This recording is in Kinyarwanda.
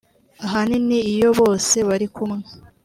Ahanini iyo bose bari kumwe